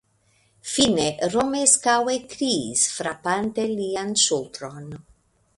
Fine Romeskaŭ ekkriis, frapante lian ŝultron.